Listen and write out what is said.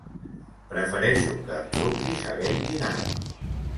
Prefereixo que em truquis havent dinat.